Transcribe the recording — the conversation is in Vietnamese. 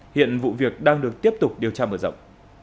hiện vụ việc đang được tiếp tục điều tra mở rộng